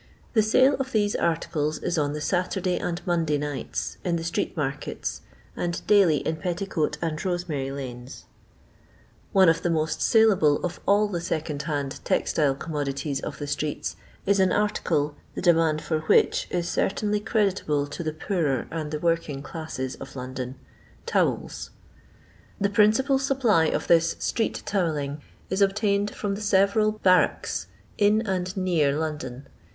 The sale of these articles is on the Saturday and Monday nights, in the street markets, and daily in Petticoat and Rosemary lanes. One of the most »ileable of all the second hand textile commodities of the streets, is an article the demand for which is certainly creditable to the poorer and the working classes of London — to fdi. The principal supply of this street towel ling is obtained from the several barracks in and near London.